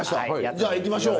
じゃあいきましょう。